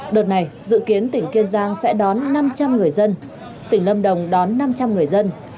đợt này dự kiến tỉnh kiên giang sẽ đón năm trăm linh người dân tỉnh lâm đồng đón năm trăm linh người dân